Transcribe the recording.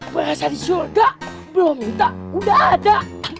berasa di surga belom minta udah ada